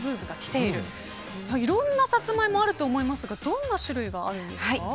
いろんなサツマイモあると思いますがどんな種類があるんですか。